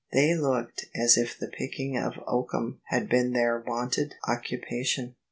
They looked as if the picking of oakum had been their wonted occupation."